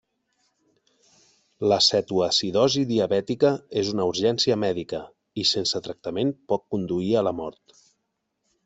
La cetoacidosi diabètica és una urgència mèdica, i sense tractament pot conduir a la mort.